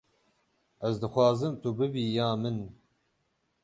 Ez dixwazim tu bibî ya min.